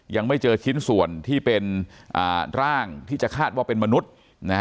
ยังไม่เจอชิ้นส่วนที่เป็นร่างที่จะคาดว่าเป็นมนุษย์นะฮะ